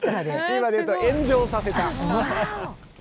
今で言うと炎上させた。